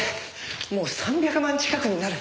もう３００万近くになる。